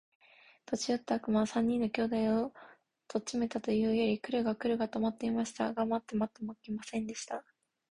年よった悪魔は、三人の兄弟を取っちめたと言うたよりが来るか来るかと待っていました。が待っても待っても来ませんでした。